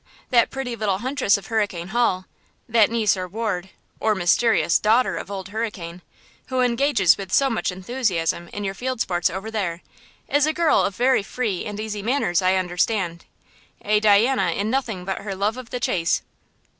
That pretty little huntress of Hurricane Hall–that niece or ward, or mysterious daughter of Old Hurricane, who engages with so much enthusiasm in your field sports over there, is a girl of very free and easy manners I understand–a Diana in nothing but her love of the chase!"